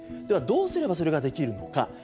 ではどうすればそれができるのか。